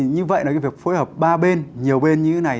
như vậy việc phối hợp ba bên nhiều bên như thế này